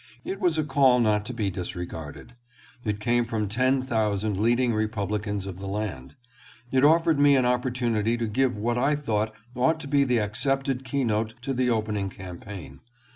It was a call not to be disregarded. It came from ten thousand leading Republicans of the land. It offered me an opportunity to give what I thought ought to be the accepted keynote to the opening campaign.